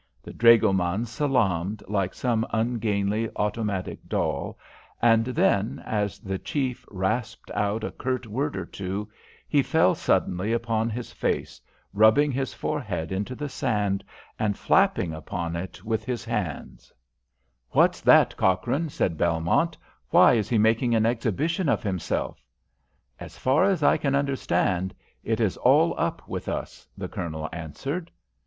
The dragoman salaamed like some ungainly, automatic doll, and then, as the chief rasped out a curt word or two, he fell suddenly upon his face, rubbing his forehead into the sand, and flapping upon it with his hands. [Illustration: Fell suddenly upon his face p97] "What's that, Cochrane?" asked Belmont. "Why is he making an exhibition of himself?" "As far as I can understand, it is all up with us," the Colonel answered.